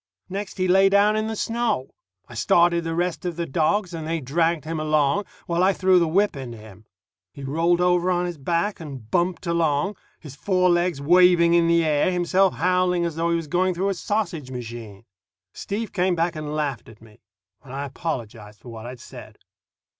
Next he lay down in the snow. I started the rest of the dogs, and they dragged him along, while I threw the whip into him. He rolled over on his back and bumped along, his four legs waving in the air, himself howling as though he was going through a sausage machine. Steve came back and laughed at me, and I apologized for what I'd said.